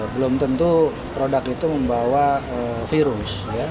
belum tentu produk itu membawa virus